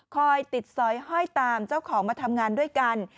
คอยติดสอยห้อยตามเจ้าของมาทำงานด้วยกัน